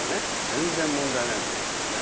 全然問題ないと思いますけどね。